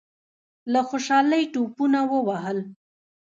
له خوشالۍ ټوپونه ووهل.